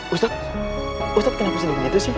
ustazah kenapa selalu gitu sih